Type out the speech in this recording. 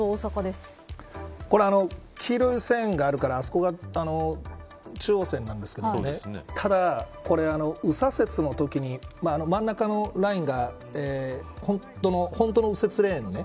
これ、黄色い線があるからあそこが中央線なんですけどただ、これ右左折の時に真ん中のラインが本当の右折レーンね。